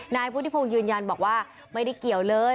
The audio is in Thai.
นายพุทธิพงศ์ยืนยันบอกว่าไม่ได้เกี่ยวเลย